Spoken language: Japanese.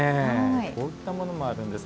こういったものもあるんです。